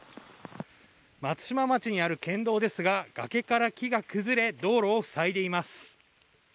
松島町にある県道ですが崖から木が崩れ道路を塞いでいます。